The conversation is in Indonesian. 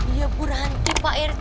iya pura pura pak rt